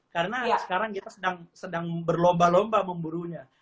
karena sekarang kita sedang berlomba lomba memburunya